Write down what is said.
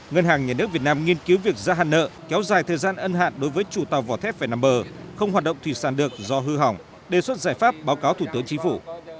ngân hàng nhà nước việt nam nghiên cứu việc gia hạn nợ kéo dài thời gian ân hạn đối với chủ tàu vỏ thép phải nằm bờ không hoạt động thủy sản được do hư hỏng đề xuất giải pháp báo cáo thủ tướng chính phủ